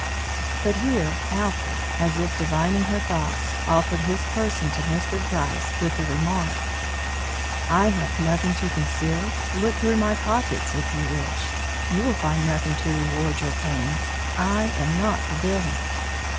But here Alfred, as if divining her thoughts, offered his person to Mr. Gryce with the remark: "I have nothing to conceal. Look through my pockets, if you wish. You will find nothing to reward your pains. I am not the villain."